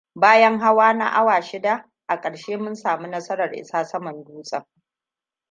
Bayan hawa na awa shida, a ƙarshe mun sami nasarar isa saman dutsen.